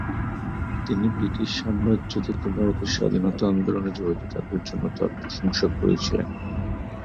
তিনি ব্রিটিশ সাম্রাজ্য থেকে ভারতের স্বাধীনতা আন্দোলনে জড়িত থাকার জন্য তার প্রশংসা করেছিলেন।